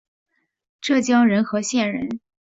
浙江仁和县人。